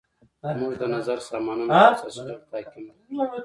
مورد نظر سامانونه په اساسي ډول تعقیم نه کړي.